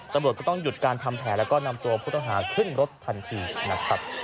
ตำรวจก็ต้องหยุดการทำแผนแล้วก็นำตัวผู้ต้องหาขึ้นรถทันทีนะครับ